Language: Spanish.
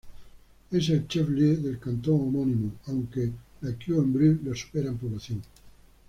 Es el "chef-lieu" del cantón homónimo, aunque La Queue-en-Brie la supera en población.